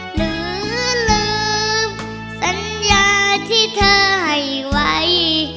หรือลืมสัญญาที่เธอให้ไว้